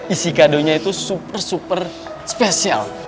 isi kadonya itu super super spesial